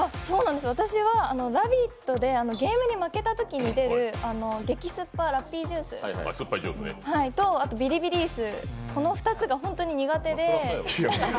私は「ラヴィット！」でゲームに負けたときに出る激酸っぱラッピージュースとビリビリ椅子、この２つが本当に苦手で。